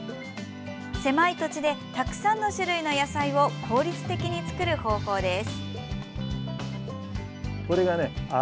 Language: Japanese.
狭い土地で、たくさんの種類の野菜を、効率的に作る方法です。